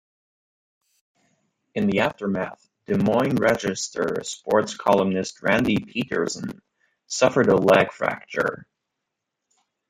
In the aftermath, "Des Moines Register" sports columnist Randy Peterson suffered a leg fracture.